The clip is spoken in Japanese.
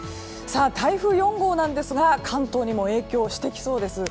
台風４号ですが関東にも影響してきそうです。